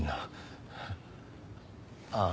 ああ。